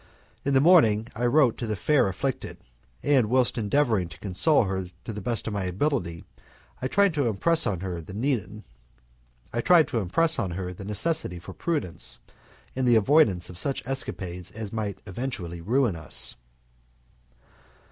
In the morning I wrote to the fair afflicted, and whilst endeavouring to console her to the best of my ability, I tried to impress on her the necessity for prudence and the avoidance of such escapades as might eventually ruin us.